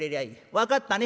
分かったね？